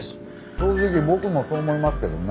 正直僕もそう思いますけどね。